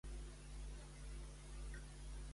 Què va fer quan va deixar de distingir el pic?